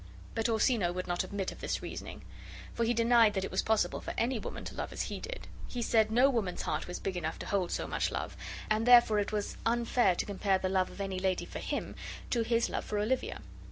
But Orsino would not admit of this reasoning, for he denied that it was possible for any woman to love as he did. He said no woman's heart was big enough to hold so much love, and therefore it was unfair to compare the love of any lady for him to his love for Olivia.